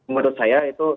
menurut saya itu